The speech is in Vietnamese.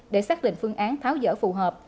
để xác định phương án tháo dở phù hợp